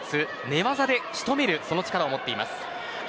寝技で仕留めるその力を持っています。